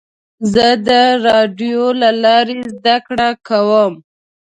زه د راډیو له لارې زده کړه کوم.